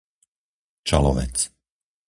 Čalovec